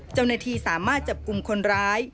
เจ้าหน้าที่สามารถจับกลุ่มคนร้าย